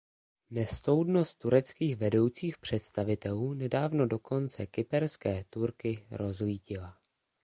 Nestoudnost tureckých vedoucích představitelů nedávno dokonce kyperské Turky rozlítila.